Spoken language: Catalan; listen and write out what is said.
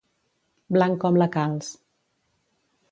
Blanc com la calç.